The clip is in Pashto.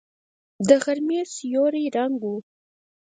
د غرمې سيوری ړنګ و.